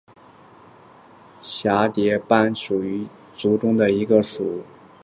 浊绡蝶属是蛱蝶科斑蝶亚科绡蝶族中的一个属。